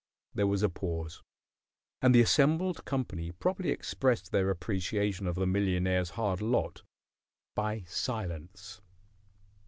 There was a pause, and the assembled company properly expressed their appreciation of the millionaire's hard lot by silence.